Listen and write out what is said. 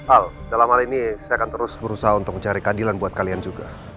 al dalam hal ini saya akan terus berusaha untuk mencari keadilan buat kalian juga